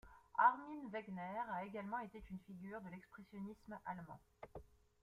Armin Wegner a également été une figure de l'expressionnisme allemand.